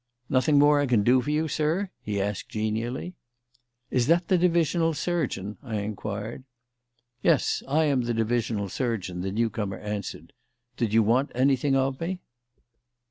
"Nothing more I can do for you, sir?" he asked genially. "Is that the divisional surgeon?" I inquired. "Yes. I am the divisional surgeon," the new comer answered. "Did you want anything of me?"